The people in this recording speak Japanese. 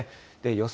予想